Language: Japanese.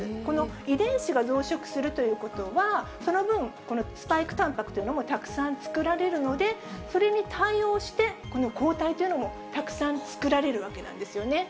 遺伝子が増殖するということは、その分、このスパイクタンパクというのもたくさん作られるので、それに対応して、この抗体というのもたくさん作られるわけなんですよね。